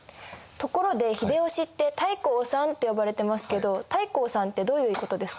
ところで秀吉って太閤さんって呼ばれてますけど太閤さんってどういうことですか？